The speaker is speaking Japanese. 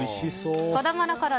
子供のころ